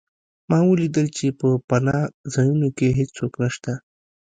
ما ولیدل چې په پناه ځایونو کې هېڅوک نشته